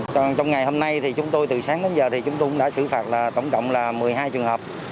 trong ngày hôm nay từ sáng đến giờ chúng tôi cũng đã xử phạt tổng cộng một mươi hai trường hợp